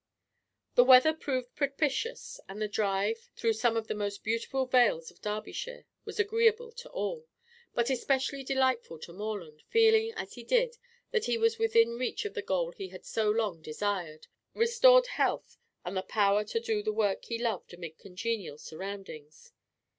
The weather proved propitious, and the drive, through some of the most beautiful vales of Derbyshire, was agreeable to all, but especially delightful to Morland, feeling as he did that he was within reach of the goal he had so long desired restored health and the power to do the work he loved amid congenial surroundings.